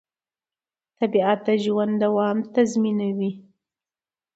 طبیعت د ژوند دوام تضمینوي